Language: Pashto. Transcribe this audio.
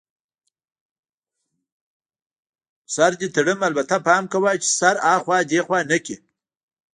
سر دې در تړم، البته پام کوه چي سر اخوا دیخوا نه کړې.